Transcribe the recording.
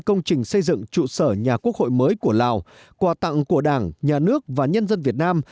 công trình xây dựng trụ sở nhà quốc hội mới của lào quà tặng của đảng nhà nước và nhân dân việt nam